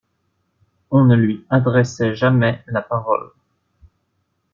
On ne lui adressait jamais la parole.